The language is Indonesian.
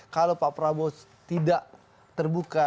kalau pak prabowo tidak terbuka